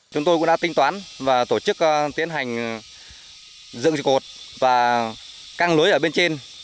chúng tôi cũng đã tinh toán và tổ chức tiến hành dựng trực cột và căng lưới ở bên trên